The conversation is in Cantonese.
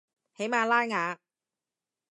喜马拉雅